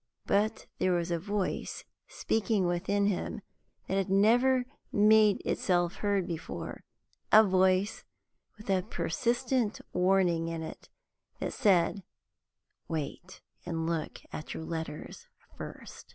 But there was a voice speaking within him that had never made itself heard before a voice with a persistent warning in it, that said, Wait; and look at your letters first.